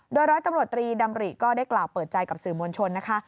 โดยร้อยตำรวจตรีดำริก็ได้กล่าวเปิดใจกับสื่อมวลชนนะคะ